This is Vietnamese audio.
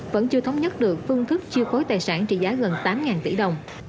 vẫn chưa thống nhất được phương thức chiêu khối tài sản trị giá gần tám tỷ đồng